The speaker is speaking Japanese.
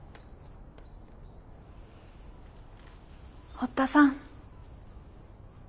堀田さん。